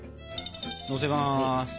のせます。